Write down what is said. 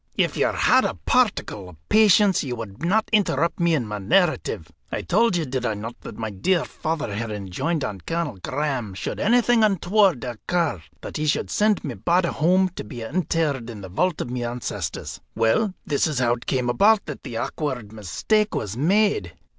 "If you had a particle of patience, you would not interrupt me in my narrative. I told you, did I not, that my dear father had enjoined on Colonel Graham, should anything untoward occur, that he should send my body home to be interred in the vault of my ancestors? Well, this is how it came about that the awkward mistake was made.